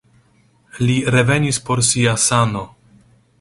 Li revenis por sia sano.